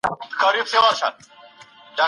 ژوند یوه لنډه ازموینه ده.